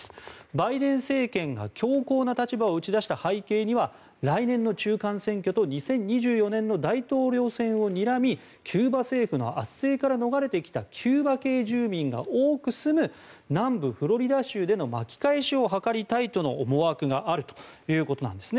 バイデン政権が強硬な立場を打ち出した背景には来年の中間選挙と２０２４年の大統領選をにらみキューバ政府の圧政から逃れてきたキューバ系住民が多く住む南部フロリダ州での巻き返しを図りたいとの思惑があるということなんですね。